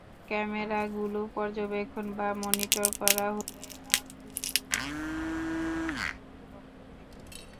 ক্যামেরাগুলো পর্যবেক্ষণ বা মনিটর করা হবে আবদুল গণি রোডের নিয়ন্ত্রণকক্ষ থেকে।